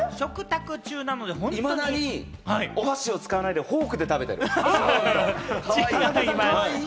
いまだに、お箸を使わないでフォークで食べてる。